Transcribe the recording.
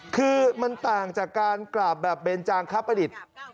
คือมันต่างจากการกราบแบบเบนจางครับประดิษฐ์